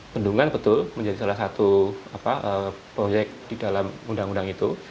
bendungan betul menjadi salah satu proyek di dalam undang undang itu